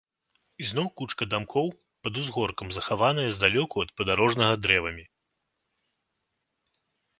Ізноў кучка дамкоў пад узгоркам, захаваная здалёку ад падарожнага дрэвамі.